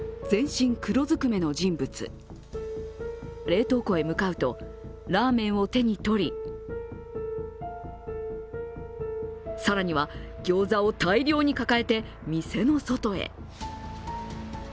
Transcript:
冷凍港へ向かうとラーメンを手に取り更には、ギョーザを大量に抱えて店の外へ。